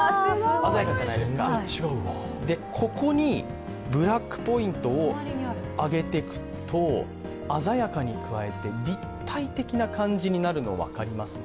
ここにブラックポイントを上げていくと鮮やかに加えて立体的な感じになるの、分かります？